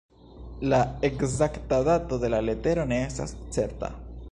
La ekzakta dato de la letero ne estas certa.